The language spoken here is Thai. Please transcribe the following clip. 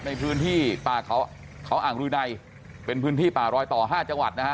ในพื้นที่ป่าเขาอ่างรืนัยเป็นพื้นที่ป่ารอยต่อ๕จังหวัดนะฮะ